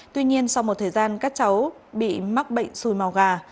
tuy nhiên sau một thời gian các cháu bị mắc bệnh xui màu gà